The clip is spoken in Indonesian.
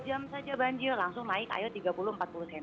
dua puluh jam saja banjir langsung naik ayo tiga puluh empat puluh cm